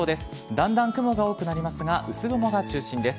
だんだん雲が大きくなりますが薄雲がありそうです。